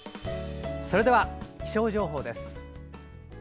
それでは、気象情報です。